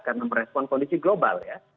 karena merespon kondisi global ya